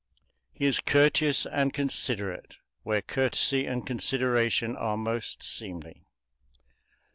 He is courteous and considerate where courtesy and consideration are most seemly.